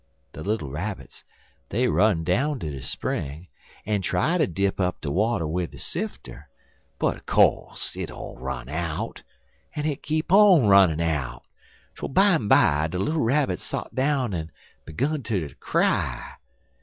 "De little Rabbits, dey run down't de spring, en try ter dip up de water wid de sifter, but co'se hit all run out, en hit keep on runnin' out, twel bimeby de little Rabbits sot down en 'gun ter cry.